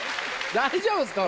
大丈夫ですか？